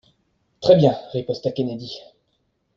Très bien, riposta Kennedy.